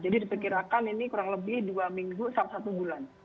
jadi diperkirakan ini kurang lebih dua minggu sampai satu bulan